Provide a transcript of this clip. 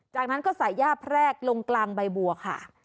จากนั้นก็ใส่ย่าแพรกลงกลางใบบัวค่ะ